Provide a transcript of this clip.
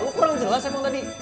kurang jelas emang tadi